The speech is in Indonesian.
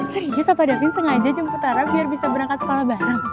serius apa davin sengaja jemput ara biar bisa berangkat sekolah bareng